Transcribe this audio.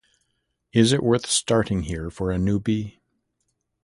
Is it worth starting here for a newbie?